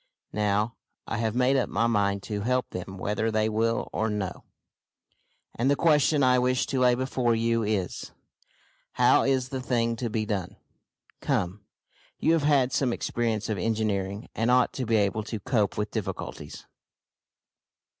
Now, I have made up my mind to help them whether they will or no, and the question I wish to lay before you is, how is the thing to be done? Come, you have had some experience of engineering, and ought to be able to cope with difficulties."